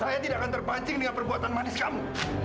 saya tidak akan terpancing dengan perbuatan manis kamu